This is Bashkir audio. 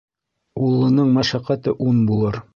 Уллының мәшәҡәте ун булыр.